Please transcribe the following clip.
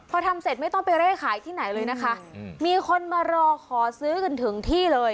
พอทำเสร็จไม่ต้องไปเร่ขายที่ไหนเลยนะคะมีคนมารอขอซื้อกันถึงที่เลย